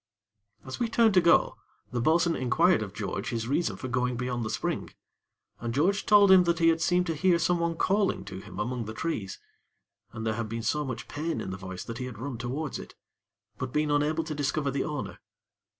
As we turned to go, the bo'sun inquired of George his reason for going beyond the spring, and George told him that he had seemed to hear someone calling to him among the trees, and there had been so much pain in the voice that he had run towards it; but been unable to discover the owner.